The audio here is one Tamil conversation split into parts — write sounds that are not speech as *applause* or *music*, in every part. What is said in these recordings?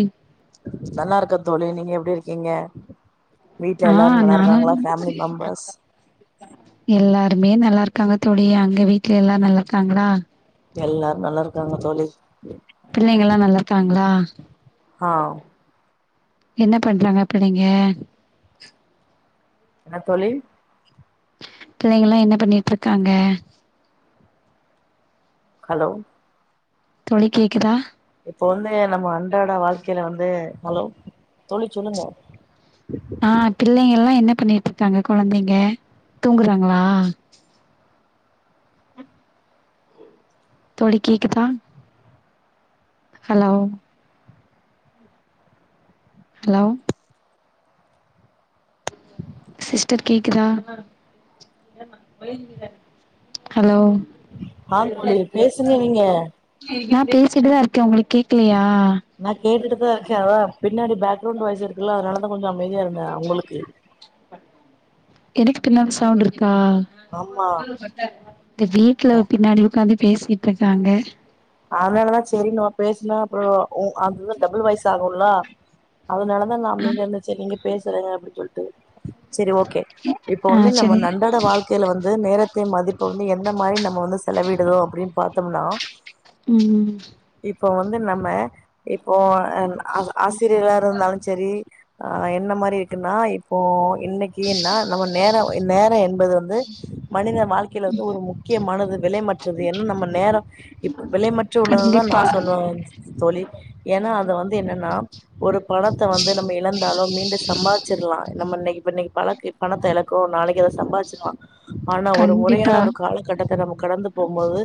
ம் நல்லா இருக்க தோழி நி நீ எப்டி இருக்கீங்க வீட்ல எல்லாரு ஆஹ் நல்லா நானு இருக்காங்களா ஃபேமிலி மெம்பர்ஸ் எல்லாருமே நல்லா இருக்காங்க தோழி அங்க வீட்ல எல்லா நல்லா இருக்காங்களா எல்லாரு நல்லாருக்காங்க தோழி பிள்ளைங்கல்லா நல்லா இருக்காங்களா ஆஹ் என்ன பண்றாங்க அப்ப நீங்க என்ன தோழி பிள்ளைங்கள்ள என்ன பண்ணிட்ருக்காங்க ஹலோ தோழி கேக்குதா இப்போ வந்து நம்மோ அன்றாட வாழ்க்கைல வந்து ஹலோ தோழி சொல்லுங்க ஆஹ் பிள்ளைங்கெல்லா என்ன பண்ணிட்ருக்காங்க கொழந்தைங்க தூங்குறாங்களா தோழி கேக்குதா ஹலோ ஹலோ சிஸ்டர் கேக்குதா ஹலோ ஆஹ் தோழி பேசுங்க நீங்க நா பேசிட்டுதா இருக்கே உங்களுக் நா கேட்டுட்டுதா இருக்கே பின்னாடி பேக்ரவுண்ட் வாய்ஸ் இருக்குல்ல அதுனாலதா கொஞ்சம் அமைதியா இருந்த உங்களுக்கு சவுண்டிருக் ஆஹ ஆமா *unintelligible* பேசிட்டு இருக்காங்க அதனாலதான் சரி ந பேசினா அப்புறம் உ அதுதான் டபுள் வயசு ஆகும்லா அதுனாலதா நா அமைதியா இருந்த சேரி நீ பேசுறேங்க அப்படின்னு சொல்ட்டு சரி ஓகே இப்ப ஆ வந்து நம்ம சரி நன்றாட வாழ்க்கையில வந்து நேரத்த மதிப்ப வந்து எந்த மாரி நம்ம வந்து செலவிடுதோ அப்படின்னு ப *unintelligible* ம் ம் இப்போ வந்து நம்ம இப்போ ஆசிரியரா இருந்தாலும் சரி ஆ என்ன மாரி ன்னா இப்போ இன்னைக்குன்னா நம்ம நேரம் நேரம் என்பது வந்து மனித வாழ்க்கையில வந்து ஒரு முக்கியமானது விலைமற்றது என்ன்ன நம்ம நேரம் விலைமற்ற உள்ளது தான் கண்டிப்பா நான் சொல்லுவேன் தோழி ஏன்னா அதை வந்து என்னன்னா ஒரு பணத்தை வந்து நம்ம இழந்தாலோ மீண்டும் சம்பாதிச்சிடலாம் நம்ம இன்னைக்கு இப்ப இன்னைக்கு பழக்கு பணத்தை இலக்கும் நாளைக்கு ஏ அதை சம்பாதிச்சுடு ஆனா ஒரு கண்டிப்பா முறையான ஒரு காலகட்டத்தை நம்ம கடந்து போகும்போது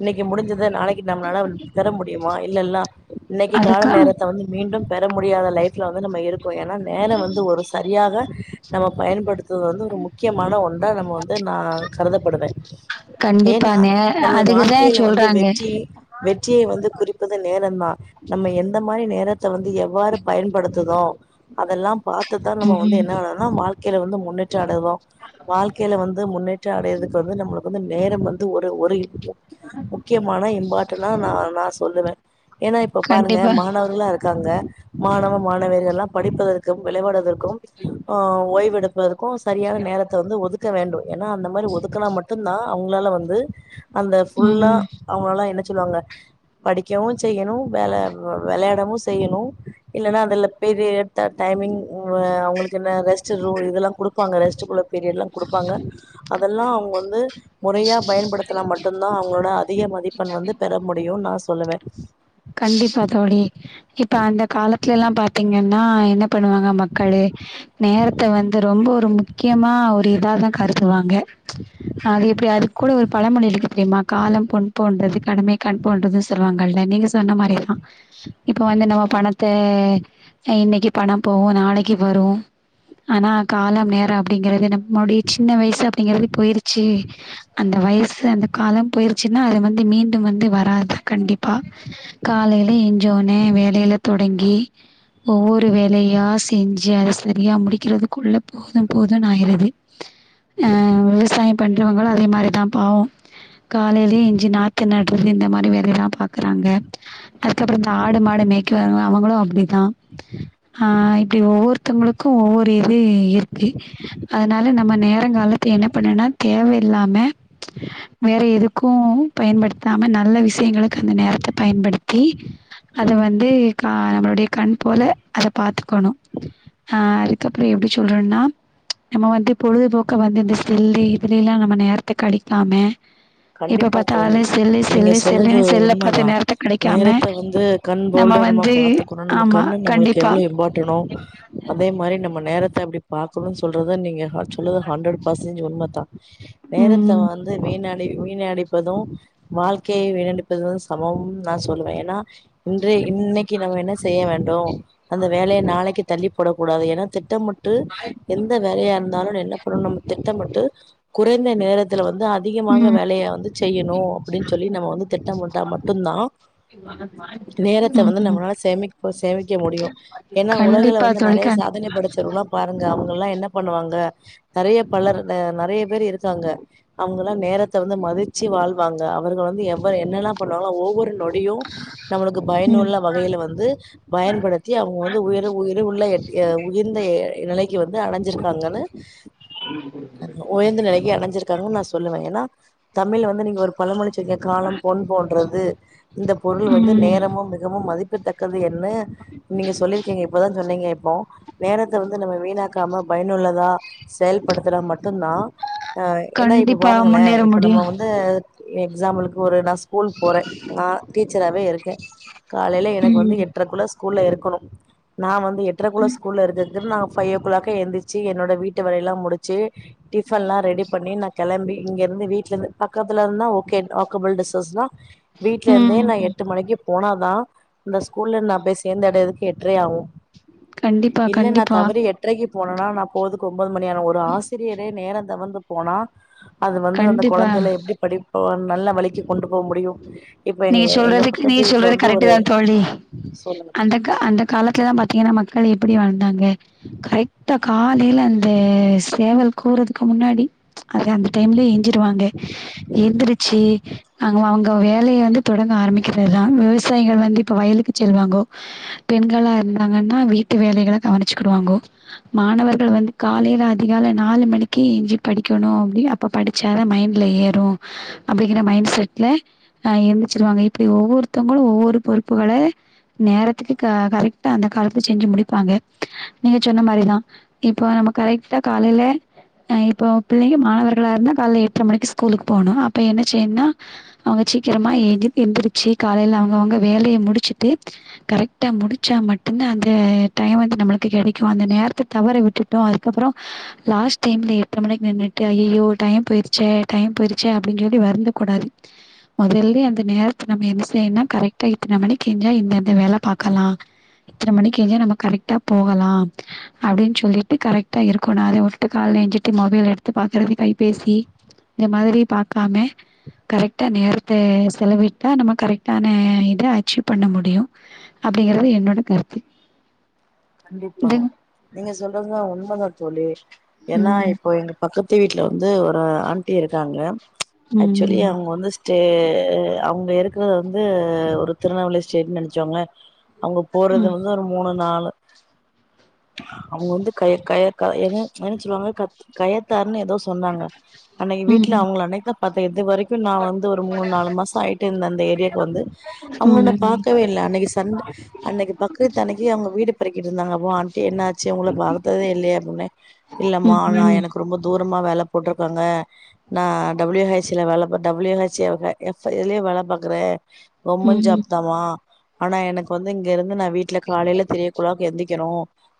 இன்னைக்கு முடி்சது நாளைக் நம்மளால தர முடியுமா இல்லல்ல இன்னைக்கு கால அதுக்கா நேரத்தை வந்து மீண்டும் பெற முடியாத லைப்ல வந்து நம்ம இரு ஏன்னா நேரம் வந்து ஒரு சரியாக நம்ம பயன்படுத்துது வந்து ஒரு முக்கியமான ஒன்றா நம்ம வந்து நான் கருதப்படுவேன் ஏன்னா கண்டிப்பானே நமது அதுக்குதா வாழ்க்கையில வந்து வெ சொல்றாங்க வெற்றி வெற்றியை வந்து குறிப்பது நேரம் தான் நம்ம எந்த மாரி நேரத்தை வந்து எவ்வாறு பயன்படுத்துதோ அதெல்லாம் பார்த்ததான் நம்ம வந்து ம் என்னா *unintelligible* வாழ கீழ வந்து முன்னட்டு அடைவோம் வாழ்க்கையில வந்து முன்னேற்றம் அடையதுக்கு வந்து நம்ம வந்து நேரம் வந்து ஒரு ஒரு *unintelligible* ஆ இம்பார்ட்டன் நான் நான் சொல்லுவேன் ஏன்னா இப்ப பாருங்க கண்டிப்பா மாணவர்களாம் இருக்காங்க மாணவ மாணவர்கள் எல்லாம் படிப்பதற்கும் விளையா க்கும் ஓய்வெடுப்பு சரியான நேரத்தை வந்து ஒதுக் க்க வேண்டு ஏனா அந்த மாரி ஒதுக்கனா மட்டுதா அவங்களால வந்து அந்த ஃபுல்லா ம் அவா லா சொல்வாங்க படிக்கவு செய்யணு வேல வெளாடவு செய்யணு இல்லன்னா அதுல பெரிய டைமிங் அவங்களுக்கு என்ன ரெஸ்ட் ரூ இதெல்லா குடுப்பாங்க ரெஸ்ட்டுக்குள்ள பீரியட்லா குடுப்பாங்க அதெல்லா அவங்க வந்து மொறையா பயன்படுத்தனா மட்டுதா அவங்களோட மதிப்பெண் வந்து பெற முடியு நா சொல்லுவே கண்டிப்பா தோழி இப்ப அந்த காலத்துலேல்லா பாத்தீங்கன்னா என்ன பண்ணுவாங்க மக்களு நேரத்த வந்து ரொம்போ ரொம் முக்கியமா ஒரு இதாதா கருதுவாங்க அது இப்புடி அது கூட ஒரு பழமொழி இருக்கு தெரியுமா காலம் பொன் போன்றது கடமை கண் போன்றதுன்னு சொல்லுவாங்கல்ல நீங்க ஸ் சொன்ன மாரி இருக்கோ இப்ப வந்து நம்ம பணத்த அ இன்னைக்கு பணம் போவோ நாளைக்கு வரும் ஆனா காலம் நேர அப்டிங்கிறது நம்முடைய சின்ன வயசாப் ப்டிங்கிறது போயிருச்சி அந்த அ வயசு அந்த காலம் போயிருச்சின்னா அது வந்து மீண்டும் வந்து வராது கண்டிப்பாக காலையில எஞ்சோனே வேலயில தொடங்கி ஒவ்வொரு வேலயா செஞ்சு அத செரியா முடிக்கிறதுக்குள்ள போதும் போதுன்னு ஆயிருது ஆ விவசாயம் பண்றவங்களும் அதே மாரிதா பாவோ காலைலயே எஞ்சி நாத்து நட்றது இந்த மாரி வேலையல்லா பாக் குறங்க அதுகப்றோதா ஆடு மாடு மேக்கு வரவங்க அவங்களோ அப்புடித்தா ஆ இப்புடி ஒவ்வொருத்தவங்களுக்கு ஒவ்வொரு இது இருக்கு அதனால நம்ம நேரங்கலத்து என்ன பண்ணோன்னா தேவயில்லாம வேற எதுக்கு பயன்படுத்தாம நல்ல விசயங்கள க அந்த நேரத்த பயன்படுத்தி அத வந்து கா நம்பளுடைய கண் போல அத பாத்துக்கணு அ அதுக்கப்றோ எப்டி சொல்றோன்னா நம்மோ வந்து பொழுதுபோக்க வந்து இந்த செல்லு இதுலேல்லா நம்ம நேரத்த கழிக்காம எப்ப பத்தாலே செல்லு செல்லு செல்லுனு து ஸ் உண்ம தா நேரத்த வந்து கண் நம்ம போல்ட்டு நம்மோ வந்து பாத்துக்குணு நம்ம ஆமா கண்ணு நம்மளுக் கண்டிப்பா எவ்ளோ இம்பார்டன்னோ அதே மாரி நம்ம நேரத் ட அப்டி பாக்கணும் சொல்றத நீங்க ஹாஸ் சொல்லுது ஹண்ட்ரட் பர்சன்ச் உண்ம தா நேரத்த ம் வந்து வீணாக் டி வீணடிப்பதும் வாழ்க்கையே வீணடிப்பதுக்கு சமம் நா சொல்லுவே ஏன்னா இன்றை இன்னைக்கி நம்ம என்ன செய்ய வேண்டு அந்த வேலைய நாளைக்கு தள்ளிப்போடக் கூடாது ஏனா திட்டமிட் ட்டு எந்த வேலயா இருந்தாலு நா என்ன அப்றோ நம்ம திட்டமிட்டு குறைந்த நேரத்துல வந்து அ அதிகமாக ம் ம் வேலைய வந்து செய்யணு அப்டின்னு சொல்லி நம்ம வந்து திட்டமிட்டா மட்டுந்தா நேரத்த வந்து நம்மளால சேமி சேமிக்க முடியு ஏன்னா உலகில கண்டிப்பா வந்து தோழி நறைய கண்டி சாதனை படைச்சவர்கள்லா பாருங்க எல்லா என்ன பண்ணுவாங்க நறைய பலர் நறைய பேர் இருக்காங்க அவங்க நேரத்த வந்து மதிச்சி வாழ்வாங்க அவர்கள் வந்து எவ என்னெல்லா பண்ணுவாங்கனா ஒவ்வொரு நொ டியு நம்மளுக்கு ம் பயனுள்ள வகையில வந்து பயன்படுத்தி அவங்க வந்து உயர உயிர் உள்ள உயர்ந்த நிலைக்கு வந்து அடைஞ்சிருக்காங்கனு உயர்ந்த நிலைக்கு அடஞ்சிருக்காங்கனு நா சொல்லுவே ஏன்னா தமிழ்ல வந்து நீங்க ஒரு பழமொழி சொல்லி காலம் பொன் போன்றது இந்த பொருள் வந்து ம் நேரமும் மிகவும் மதி க்கதக்கது ன்னு நீங்க சொல்லிருக்கீங்க இப்பதா சொன்னீங்க இப் போ நேரத்த வந்து நம்ம வீணாக்காம பயனுள்ளதா செயல்படுத்துனா மட்டுந்தா ஆ ஏனா இப் கண்டிப்பா பாருங்களே முன்னேற இப்ப முடியு நம்மோ வந்து எக்ஸாம்பிளுக்கு ஒரு நஷ் ஸ்கூல் போறே நா டீச்சராவே இருக்க காலைல எனக்கு வந்து ம் எட்ரக்குள்ள ஸ்கூல்ல இருக்கணு நா வந் து எட்ரக்குள்ள ஸ்கூல்ல இருக்கக்கு நா ஃபையோ க்ளாக்கே எழுந்திச்சு என்னோட வீட்டு வேலைல்லா முடிச்சு டிஃபன்லா ரெடி பண்ணி நா கெளம்பி இங்க இருந்து வீட்ல இருந்து பக்கத்துல இருந்தா ஓகே வாக்கபிள் டிஸ்டன்ஸ்தா வீட்ல இருந்தே நா ம் எட்டு மணிக்கு போனாதா இந்த ஸ்கூல்ல நா போய் சேந்தடையதுக்கு எட்ரை ஆவு கண்டிப்பா கண்டிப்பா போனனா நா போதுக்கு ஒம்போது மணியானா ஒரு ஆசிரியரே நேரந் தவந்துப் போனா அது வந்து அந்த கண்டிப்பா கொழந்தைல எப்டி படிப்பு வந் நல்ல வழிக்கு கொண்டு போக முடியும் நீங்க சொல்றதுக்கு நீங் சொல்றது கரெட்டு ஒரு தா தோழி சொல்லுங்க அந்த தோழி க அந்த காலத்துல ல்லா பாத்தீங்கன்னா மக்கள் எப்புடி வாழ்ந்தாங்க கரெக்டா காலையில அந்தே ஏ சேவல் கூவுறதுக்கு முன்னாடி அதே அந்த டைம்லே எஞ்சிருவாங்கே எந்திருச்சி அங் அவங்க வே லைய வந்து தொடங்க ஆரம்பிக்கிறத்தா விவசாயிங்க வந்து இப்போ வயலுக்கு செல்வாங்கோ பெண்களா இருந்தாங்கன்னா வீட்டு வேலைகள கவனிச்சிக்குடுவாங்கோ மாணவர்கள் வந்து காலையில அதிகால நாலு மணிக்கி எஞ்சி படிக்கணு அப்புடி அப்ப படிச்சா தா மைண்ட்ல ஏறும் அப்புடிங்கிற மைண்ட் செட்ல அ எந்திச்சிருவாங்க இப்புடி ஒவ்வொருத்தங்களும் ஒவ்வொரு பொறுப்புகள நேரத்துக்கு க கரெக்டா அந்த காலத்து செஞ்சு முடிப்பாங்க நீங்க சொன்ன மாரிதா இப்போ நம்ம கரெக்டா காலையிலே அ இப்போ பிள்ளைங்க மாணவர்களா இருந்தா கால்ல எட்ர மணிக்கு ஸ்கூலுக்கு போணும் அப்ப என்ன செய்யன்னா அவங்க சி க்கிரமா எந்திர் எந்திரிச்சு காலையில அவங்கவங்க வேலைய முடிச்சுட்டு கரெக்டா முடிச்சா மட்டுந்தா அந்த டை வந்து நம்மளுக்கு கெடைக்கும் அந்த நேரத்த தவற விட்டுட்டோ அதுக்கப்புறோ லாஸ்ட் டைம்ல எட்ர மணிக்கு நின்னுட்டு அய்யய்யோ டைம் போயிருச்சே டைம் போயிருச்சே அப்புடின் இப்டி வருந்த கூடாது மொதல்லே அந்த நேரத்த நம்ம என்ன செய்யுன்னா கரெக்டா இத்தன மணிக்கி ஏஞ்சா இந்தந்த வேல பாக்கலா இத்தன மணிக்கி ஏஞ்சா நம்ம கரெக்டா போகலா அப்புடின் சொல்லிட்டு கரெக்டா இருக்கோ நா அதே வுட்டு கால்ல எஞ்சிட்டு மொபைல் எடுத்து பாக்குறதே கைபேசி இந்த மாதிரி பாக்காமே கரெக்டா நேரத் தே செலவிட்டா நம்ம கரெக்டான இத அச்சீவ் பண்ண முடியு அப்டிங்கிறது என்னோட கருத்து இந்த கண்டிப்பாவா நீங்க சொல் எல்லா உண்மதா தோழி என்னா ம் இப்போ எங்க பக்கத்து வீட்ல வந்து ஒரு ஆன்ட்டி இருக்காங்க ம் ஆக்சுலி ம் அவங்க வந்து டே அவங்க இருக்றது வந்து ஒரு திருநெல்வேலி ஸ்டேட் நினைச்கோங்க அவங்க போறது ம் வந்து ஒரு மூணு நாள் அவுங்க வந்து கைர் கயர் கத எங என்னச் சொல்லுவாங்க கத் கயத்தார்னு எதோ சொன்னாங்க அன்னகி வீட்ல அவுங்ள அன்னக்தா பாத்த எதுவரைக் கு நா வந்து ஒரு மூணு நாலு மாச ஆயிட்டு இந்தந்த ஏரியாக்கு வந்து அவுங்கள நா ம் பாக்கவே இல்ல அன்னைக்கு சண்ட் அன்னைக்கு பக்ரித் அன்னைக்கு அவங்க வீடு இருந்தாங்க வோ ஆண்ட்டி என்னாச் ச்சி உங்கள பார்த்ததே இல்லயே அப்டின்னே இல்லம்மா ம் நா எனக்கு ரொம்ப தூர் ரமா வேல போட்ருக்காங்க நா டபுல்யோ ஹைச்சில வேல பாத் டபுல்யோ ஹச்சி ஒகே எஃப் எதுலயோ வேல பாக்குரே ம் கவ்மென்ட் ம் ஜாப்தாமா ஆனா எனக்கு வந்து இங்க இருந்து நா வீட்ல காலைல தெ ஆக் எந்திக்கனு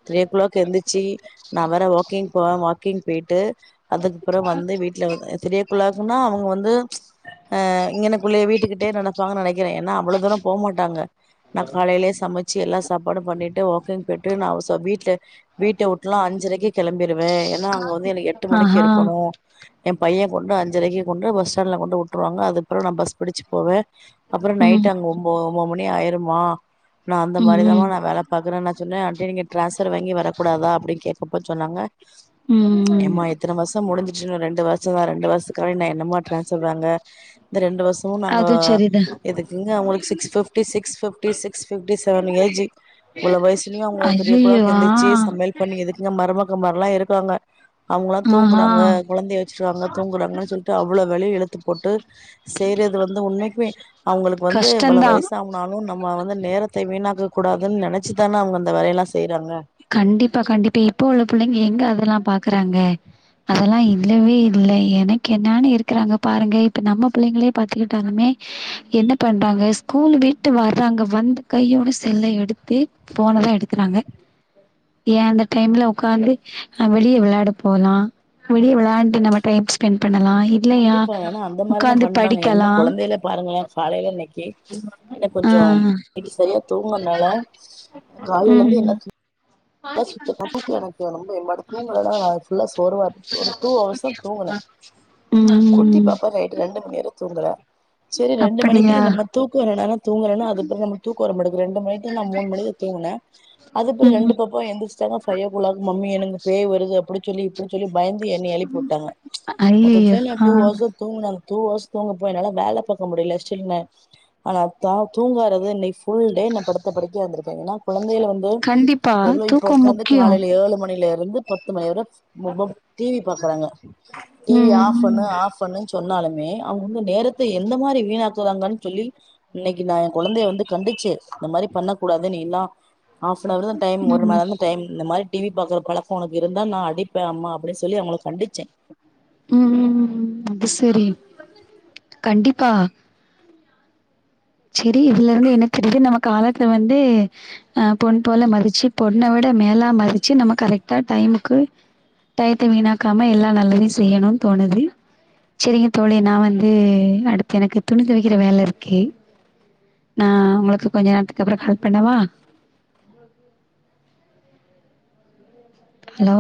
த்ரியோ கிளாக் எந்திச்சு நா வேற வாக்கிங் போவ வாக் க்கிங் பெய்ட்டு அதுக்கப்றொ வந்து வீட்ல வந் த்ரியொக்ளாக்னா அவுங்கவந்து அ இங்கனக்குள்ளயே வீட்டுக்கிட் டே நடப்பாங்கனு நெனக் கிறே ஏனா அவ்ளோ தூர போ மாட்டாங்க நா காலைலயே சமச்ச ச்சி எல்லா சாப்பாடு பண்ணிட் வாக்கிங் போய்ட்டு நா அவச வீட்ல வீட்ட உட்லா அஞ்சரக்கே கெளம்பிருவே ஏனா அங்க வந்து எனக் எட்டு மணிக்கு ஆஹா இருக்கணு என் பையன் பொண்ணு அஞ்சரைக்கு கொண்டு பஸ்டாண்ட்ல கொண்டு உட்ருவாங்க அதுப்றோ நா பஸ் பிடிச்சு போவே அப்றொ ம் நைட் அங்க ஒம்பொ ஒம்போது மணி ஆயிறும் ஆ நா அந்த மாரி தாமா ம் நா வேல பாக்குரனா சொன்ன அப்டியே நீங்க டிராஸ்வர் வாங்கி வர கூடாதா அப்டின் கேக்கப்ப சொன்னாங்க ம் ம் எம்மா இத்தன வர்ஷொ முடிஞ்சுட்டு இன்னு ரெண்டு வர்ஷொ தா ரெண்டு வர்ஷ நா என்னமா ட்ரான்ஸ்வர் வாங்க இந்த ரெண்டு வருஷோ நாங்க அதுவு சரிதா இதுக்கிங்க உங்களுக்கு six fifty six fifty six fifty seven AG இவ்ளோ வயசுலையு அவுங்க த்ரீ ஓ ஐயையோ கிளாக் ஆ எந்திச்சு சமையல் பண்ணி எதுக்குங்க மருமக ந்த மாரில்லா இருக்காங்க அவுங்கலா ஆஹா தூங்குறாங்க கொழந்தைய வச்சிர்க்காங்க தூங்குறாங்கனு சொல்ட்டு அவ்ளோ வேலையு இழுத்து போட்டு செய்றது வந்து உண்மைக்குமே அவுங்குளுக்கு வந்து இவள கஷ்டந்தா வயசாவ்னாலோ நம்ம வந்து நேரத்தை வீணாக்க கூடாதுன் நென ஏன்னா அவுங்க அந்த வேலையலா செய் கண்டிப்பா கண்டிப்பா இப்போ உள்ள புள்ளைங்க எங்க அத ல்லா பாக்குறாங்க அதெல்லா இல்லவே இ இல்ல எனக் என்னானு இருக்குறாங்க பாருங்க இப்ப நம்ம பிள்ளைங்களே பாத்துக்கிட்டாலுமே என்ன பண்றாங்க ஸ்கூல் விட்டு வர்றாங்க வந்து கையோட செல்ல எடுத்து ஃபோனதா எடுக்குறாங்க ஏ அந்த டைம்ல உக்காந்து அ வெளிய வெளாட போலா வெளிய வெளான்ட்டு நம்ம டைம் ஸ்பெண் கண்டிப்பா ஏன்னா அந்த மாரிதா பண்றாங்க என்ம்மா படிக்கலா கொழந்தைகலே பாருங்களே காலையில இன்னக்கீ என்ன ஆ கொஞ்சோ இன்னக்கீ செரியா தூங்காதனால காலைலந்து ம் என்னாச்சி ல சுத்தமா தூக்கொ எனக்கு ரொம்ப என்பாடு தூங்கலனா நா ஃபுல்லா சோர்வா இருக்கு ஒரு டூ அவர்ஸ் தா தூங்குனே குட்டி ம் பாப்பா நைட்டு ரெண்டு மணி வர தூங்கள செரி ரெண்டு மணிக்கு அப்படியா நம்ம தூக்கோ வரலனாள தூங்களனா அதுப்பெறகு நம்மளுக்கு தூக்கோ வர மாட்டுக்கு ரெண்டு மணிட்டு நா மூனு மணிக்கு தூங்குனே அதுப்பெறகு ரெண்டு ம் பப் பா எந்திச்சுடானா ஃபைவ் ஓ கிளாக் மம்மி எனக்கு பேய் வருது அப்டி சொல்லி இப்டி சொல்லி பயந்து என்னைய எழுப்பி உட்டாங்க ஐயையோ மொத்ததிலே நா ஆ டூ ஹார்ஸ் தா தூங்கனே டூ ஹர்ஸ் தூங்க போயி என்னால வேல பாக்க முடில ஸ்டில் மே ஆனா தா தூங்காறது இன்னைக் ஃபுல் டே நா படுத்த படுக்கையா இறுந்திருக்கிறே ஏன்னா குழந்தைல வந்து கண்டிப்பா எவ்ளோ இப்பொ தூக்கோ உக்காந்து முக்கியோ காலைல ஏழு மணியில லந்து பத்து மணி வர முகுப் டி வி பாக்றாங்க டி வி ம் ஆஃப் பண்ணு ம் ஆஃப் பண்ணுன்னு சொன்னாலுமே அவுங்க வந்து நேரத்த எந்த மாரி வீணாக்குறாங்கன்னு சொல்லி இன்னைக்கு நா கொழந்தைய வந்து கண்டிச்சே இந்த மாரி பண்ணக்கூடாது நீளா ஹாஃப் அன் அவர்தா டைம் ஒரு ம் மண்ணேரந்தா டைம் இந்த மாரிப் டி வி பாக்கற பழக்கோ ஒனக்கு இருந்தா நா அடிப்பே அம்மா அப்டி சொல்லி அவுங்கள கண்டி உம் உம் உம் உம் அது செரி கண்டிப்பா செரி இதுல இருந்து என்ன தெரிது நம்ம காலத்ல வந்து ஆ பொண் போல மதிச்சு பொண்ண விட மேலா மதிச்சு நம்ம கரெக்டா டைமுக்கு டயத்த வீணாக்காம எல்லா நல்லதையு செய்யணோனு தோணுது செரிங்க தோழி நா வந்து அடுத்து எனக்கு துணி துவக்கிற வேல இருக்கு நா உங்களுக்கு கொஞ்ச நேரத்துக்கு அப்பறோ கால் பண்ணவா ஹலோ